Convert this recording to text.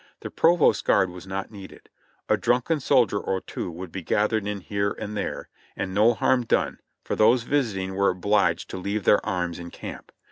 The provost guard was not needed. A drunken soldier or two would be gathered in here and there, and no harm done, for those visiting were obliged to leave their arms in camp.